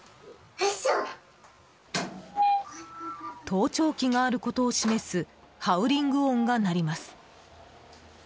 盗聴器があることを示すハウリング音が鳴ります。